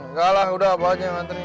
nggak lah udah abah aja yang ngantriin